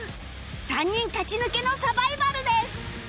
３人勝ち抜けのサバイバルです